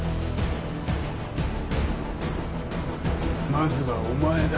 まずはお前だ。